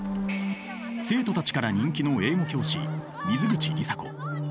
生徒たちから人気の英語教師水口里紗子。